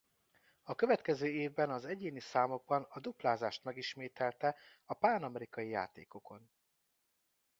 A következő évben az egyéni számokban a duplázást megismételte a pánamerikai játékokon.